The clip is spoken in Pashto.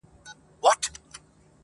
اوس ماشومان وینم له پلاره سره لوبي کوي!.